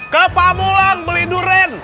ke pamulang beli durian